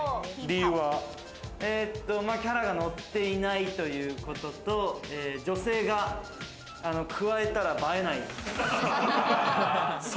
キャラがのっていないということと、女性がくわえたら映えない。